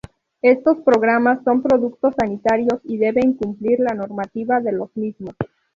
Estos programas son productos sanitarios y deben cumplir la normativa de los mismos.